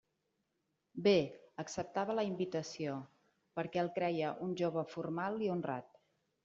Bé; acceptava la invitació, perquè el creia un jove formal i honrat.